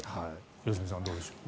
良純さんはどうでしょう。